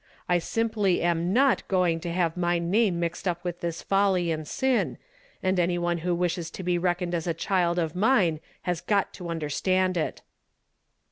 I simply am not going to have my name mixed up with this folly and sin, and any one who wishes to be reckoned as a child of mine has got to understand it."